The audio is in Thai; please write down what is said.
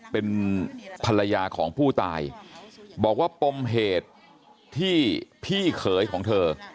เป็นภรรยาของผู้ตายบอกว่าปมเหตุที่พี่เขยของเธอ